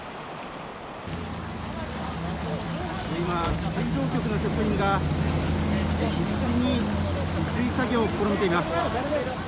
今、水道局の職員が必死に止水作業を試みています。